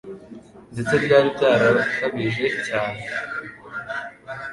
Ndetse byari byarakabije cyane;